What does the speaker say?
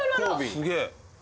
すげえ